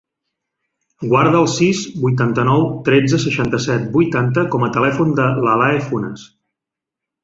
Guarda el sis, vuitanta-nou, tretze, seixanta-set, vuitanta com a telèfon de l'Alae Funes.